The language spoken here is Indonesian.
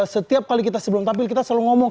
setiap kali kita sebelum tampil kita selalu ngomong